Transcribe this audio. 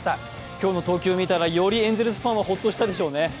今日の投球を見たら、よりエンゼルスファンはホッとしたでしょうね。